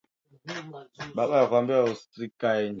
kwa maelfu ya miaka kuanzia na matumizi ya moto kwa kupikia na